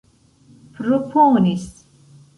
proponis